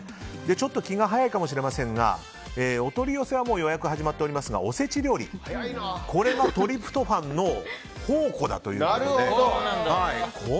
ちょっと気が早いかもしれませんがお取り寄せは予約が始まっておりますがおせち料理これはトリプトファンの宝庫だということで。